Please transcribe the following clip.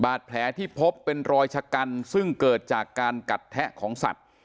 แผลที่พบเป็นรอยชะกันซึ่งเกิดจากการกัดแทะของสัตว์